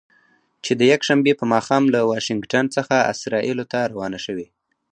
چې د یکشنبې په ماښام له واشنګټن څخه اسرائیلو ته روانه شوې.